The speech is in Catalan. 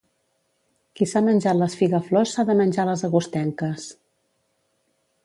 Qui s'ha menjat les figaflors s'ha de menjar les agostenques.